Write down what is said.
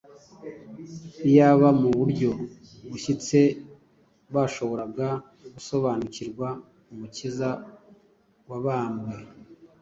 iyaba mu buryo bushyitse bashoboraga gusobanukirwa Umukiza wabambwe,